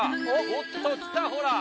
おっと来たほら！